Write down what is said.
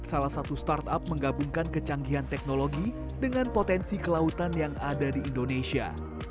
salah satu startup menggabungkan kecanggihan teknologi dengan potensi kelautan yang ada di indonesia